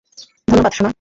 ধন্যবাদ, সোনা।